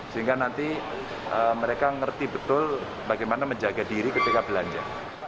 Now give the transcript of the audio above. sehingga nanti mereka ngerti betul bagaimana menjaga diri ketika belanja